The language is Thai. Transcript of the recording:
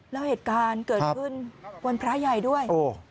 แล้วเหตุการณ์เกิดขึ้นวันพระใหญ่ด้วย